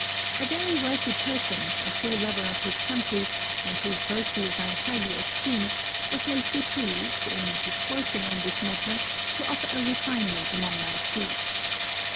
A very worthy person, a true lover of his country, and whose virtues I highly esteem, was lately pleased in discoursing on this matter, to offer a refinement upon my scheme.